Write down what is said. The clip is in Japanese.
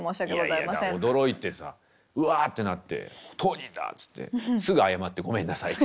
いやいや驚いてさ「うわ」ってなって「当人だ」っつって。すぐ謝って「ごめんなさい」って。